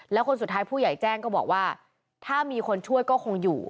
แล้วคนสุดท้ายผู้ใหญ่แจ้งก็บอกว่าถ้ามีคนช่วยก็คงอยู่